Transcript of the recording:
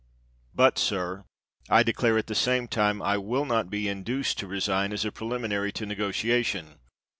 But, sir, I declare, at the same time, I will not be in duced to resign as a preliminary to negotiation.